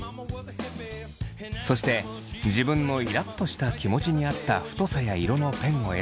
そして自分のイラっとした気持ちに合った太さや色のペンを選び